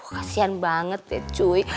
kasian banget deh cuy